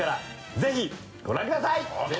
ぜひご覧ください！